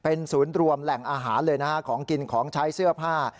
เป็นศูนย์รวมแหล่งอาหารเลยนะฮะของกินของใช้เสื้อผ้า